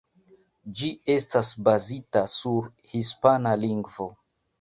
Ĝi estas bazita sur hispana lingvo.